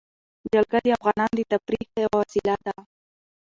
جلګه د افغانانو د تفریح یوه وسیله ده.